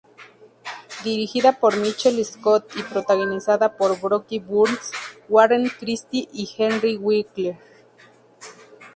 Dirigida por Michael Scott y protagonizada por Brooke Burns, Warren Christie y Henry Winkler.